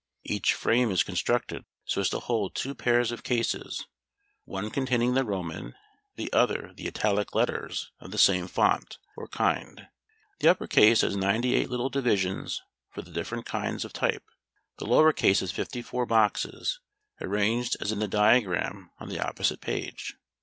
Each frame is constructed so as to hold two pairs of cases, one containing the Roman, the other the Italic letters of the same "fount," or kind. The upper case has ninety eight little divisions for the different kinds of type; the lower case has fifty four boxes, arranged as in the diagram on the opposite page.